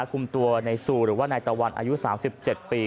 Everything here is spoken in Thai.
คุมตัวในซูหรือว่านายตะวันอายุ๓๗ปี